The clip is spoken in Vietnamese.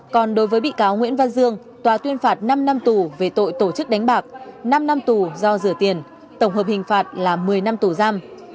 còn đối với bị cáo nguyễn văn dương tòa tuyên phạt năm năm tù về tội tổ chức đánh bạc năm năm tù do rửa tiền tổng hợp hình phạt là một mươi năm tù giam